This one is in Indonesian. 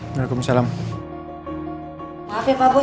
mau saya perahkan dulu